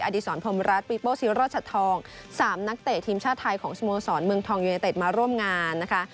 อดีศรพรมรัฐปริปโปรซีรอชทองสามนักเตะทีมชาติไทยของสมสรรค์เมืองทองยูเนเตตมาร่วมงานนะคะ